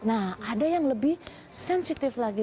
nah ada yang lebih sensitif lagi